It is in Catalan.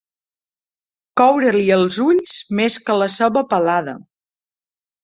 Coure-li els ulls més que la ceba pelada.